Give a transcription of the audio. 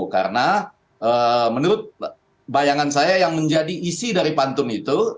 karena menurut bayangan saya yang menjadi isi dari pantun itu